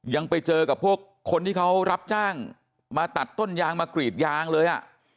ยังไปเจอกับพวกคนที่เขารับจ้างมาตัดต้นยางมากรีดยางเลยอ่ะ